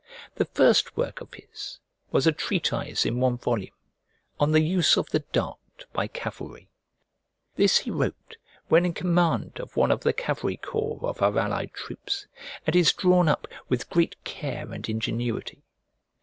The first work of his was a treatise in one volume, "On the Use of the Dart by Cavalry"; this he wrote when in command of one of the cavalry corps of our allied troops, and is drawn up with great care and ingenuity.